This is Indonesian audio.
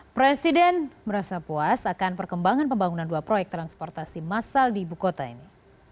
presiden merasa puas akan perkembangan pembangunan dua proyek transportasi masal di ibu kota ini